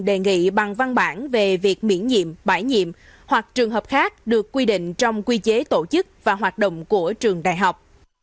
đề nghị bằng văn bản về việc miễn nhiệm bãi nhiệm hoặc trường hợp khác được quy định trong quy chế tổ chức và hoạt động của trường đại học